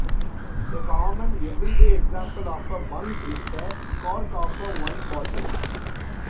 A common every-day example of a bung is the cork of a wine bottle.